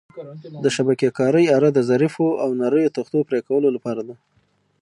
د شبکې کارۍ اره د ظریفو او نریو تختو پرېکولو لپاره ده.